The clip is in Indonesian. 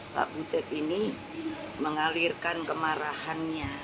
pak butet ini mengalirkan kemarahannya